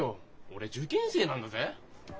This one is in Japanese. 俺受験生なんだぜ。